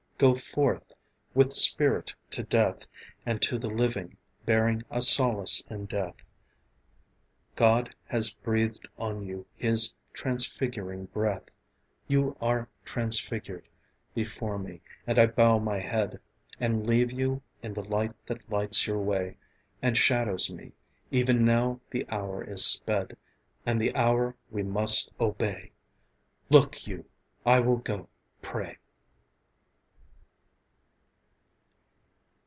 Go forth with spirit to death, and to the living Bearing a solace in death. God has breathed on you His transfiguring breath, You are transfigured Before me, and I bow my head, And leave you in the light that lights your way, And shadows me. Even now the hour is sped, And the hour we must obey Look you, I will go pray!